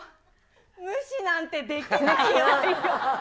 無視なんてできないよ。